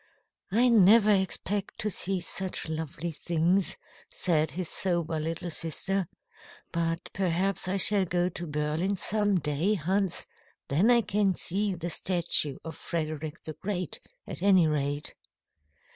"I never expect to see such lovely things," said his sober little sister. "But perhaps I shall go to Berlin some day, Hans. Then I can see the statue of Frederick the Great, at any rate."